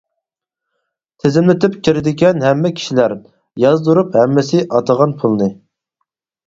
تىزىملىتىپ كىرىدىكەن ھەممە كىشىلەر، يازدۇرۇپ ھەممىسى ئاتىغان پۇلىنى.